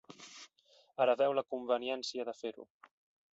Ara veu la conveniència de fer-ho.